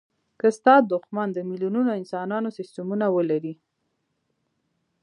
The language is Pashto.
که ستا دوښمن د میلیونونو انسانانو سستمونه ولري.